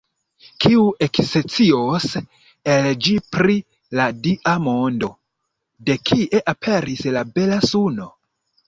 Kiu ekscios el ĝi pri la Dia mondo: De kie aperis la bela suno?